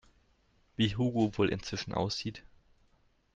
Wie Hugo wohl inzwischen aussieht?